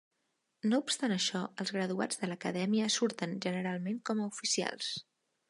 No obstant això, els graduats de l'Acadèmia surten generalment com a oficials.